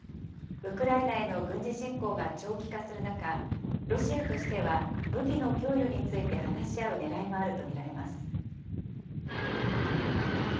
ウクライナへの軍事侵攻が長期化する中、ロシアとしては、武器の供与について話し合うねらいもあると見られます。